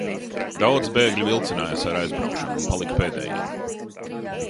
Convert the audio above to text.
Daudzi bēgļi vilcinājās ar aizbraukšanu un palika pēdējie.